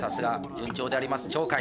順調であります鳥海。